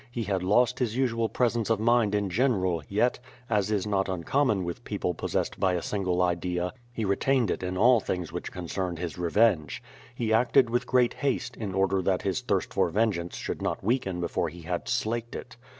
He had lost his usual presence of mind in general, yet, as is not uncommon with people possessed by a single idea, he retained it in all things which concerned his revenge. He acted with great haste, in order that his thirst for vengeance should not weaken before he had slaked it.